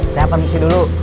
saya permisi dulu